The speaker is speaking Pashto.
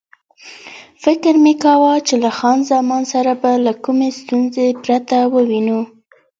فکر مې کاوه چې له خان زمان سره به له کومې ستونزې پرته ووینو.